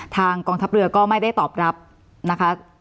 กองทัพเรือก็ไม่ได้ตอบรับนะคะ